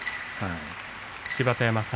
芝田山さん